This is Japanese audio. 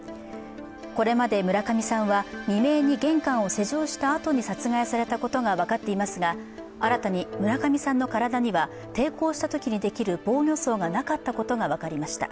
これまで村上さんは、未明に玄関を施錠したあとに殺害されたことが分かっていますが新たに村上さんの体には抵抗したときにできる防御創がなかったことが分かりました。